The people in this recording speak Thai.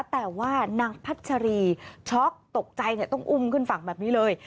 แต่ว่านางพัชรีช็อกตกใจต้องอุ้มขึ้นฝั่งแบบนี้เลย